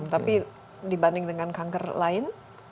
tapi dibanding dengan kanker lain